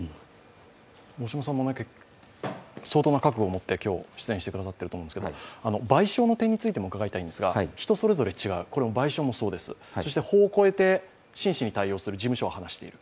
大島さんも相当な覚悟をもって今日、出演ししてくださっていると思うんですけど、賠償の点についても伺いたいんですが、人それぞれですが、これも賠償もそうです、法を超えて真摯にたいおうする、事務所が話している。